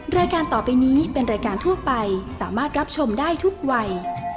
รายการต่อไปนี้เป็นรายการทั่วไปสามารถรับชมได้ทุกวัย